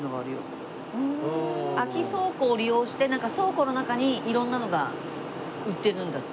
空き倉庫を利用してなんか倉庫の中に色んなのが売ってるんだって。